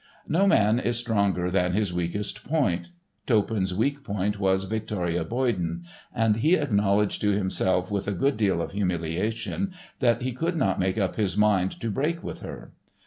No man is stronger than his weakest point. Toppan's weak point was Victoria Boyden, and he acknowledged to himself with a good deal of humiliation that he could not make up his mind to break with her.